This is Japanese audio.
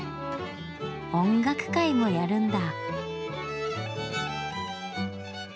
音楽会もやるんだ。